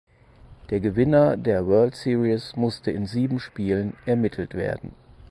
Der Gewinner der World Series musste in sieben Spielen ermittelt werden.